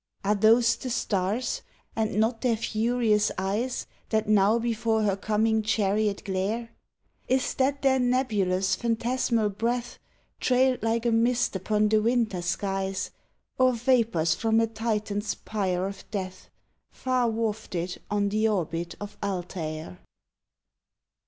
Are those the stars, and not their furious eyes, That now before her coming chariot glare"? Is that their nebulous, phantasmal breath Trailed like a mist upon the winter skies. Or vapors from a Titan's pyre of death — Far wafted on the orbit of Altair?